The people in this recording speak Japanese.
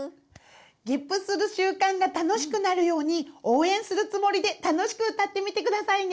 げっぷする習慣が楽しくなるように応援するつもりで楽しく歌ってみてくださいね！